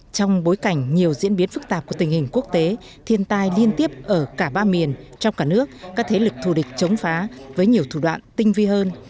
trong bối cảnh nhiều diễn biến phức tạp của tình hình quốc tế thiên tai liên tiếp ở cả ba miền trong cả nước các thế lực thù địch chống phá với nhiều thủ đoạn tinh vi hơn